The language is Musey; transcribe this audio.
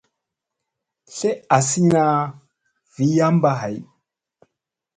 Tle asina vii yamba hay.